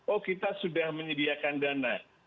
oh kita sudah menyediakan dana